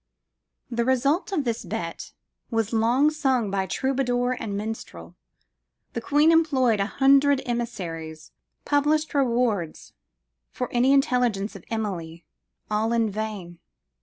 "The result of this bet was long sung by troubadour and minstrel. The Queen employed a hundred emissaries published rewards for any intelligence of Emilie all in vain.